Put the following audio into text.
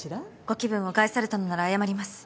ご気分を害されたのなら謝ります。